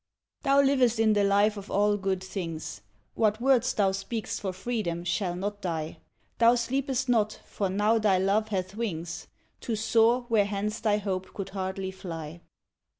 Thou livest in the life of all good things; What words thou spak'st for Freedom shall not die; Thou sleepest not, for now thy Love hath wings To soar where hence thy Hope could hardly fly.